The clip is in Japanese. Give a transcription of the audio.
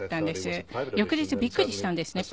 翌日びっくりしたんですね。